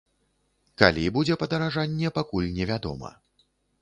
Калі будзе падаражанне, пакуль невядома.